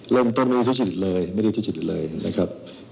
เรื่องต้องไม่ได้ที่จิตเลยไม่ได้ที่จิตเลยนะครับ